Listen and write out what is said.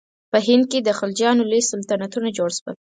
په هند کې د خلجیانو لوی سلطنتونه جوړ شول.